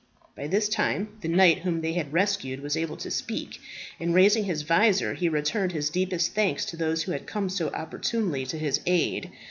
By this time the knight whom they had rescued was able to speak, and raising his visor, he returned his deepest thanks to those who had come so opportunely to his aid.